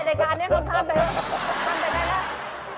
รายการนี้ทำข้ามไป